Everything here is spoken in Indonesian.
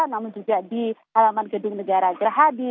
namun juga di halaman gedung negara gerhadi